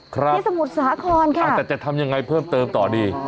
สมุทรสาครค่ะแต่จะทำยังไงเพิ่มเติมต่อดี